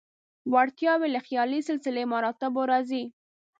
وړتیاوې له خیالي سلسله مراتبو راځي.